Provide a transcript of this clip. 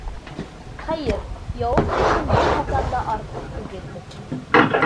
Хәйер, яуым-төшөм бер ҡасан да артыҡ түгелдер.